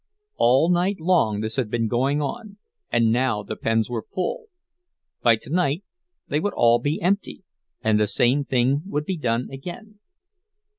All night long this had been going on, and now the pens were full; by tonight they would all be empty, and the same thing would be done again.